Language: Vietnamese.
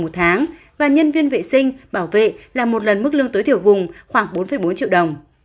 một tháng và nhân viên vệ sinh bảo vệ là một lần mức lương tối thiểu vùng khoảng bốn bốn triệu đồng